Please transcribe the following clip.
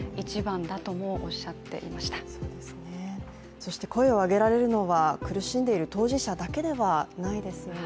そして声をあげられるのは、苦しんでいる当事者だけではないですよね。